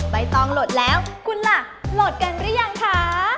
ใบตองโหลดแล้วคุณล่ะโหลดกันหรือยังคะ